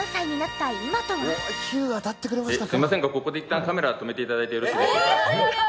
すいませんがここでいったんカメラ止めて頂いてよろしいでしょうか。